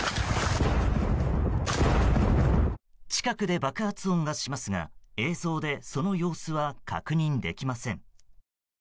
近くで爆発音がしますが、映像でその様子は確認できません。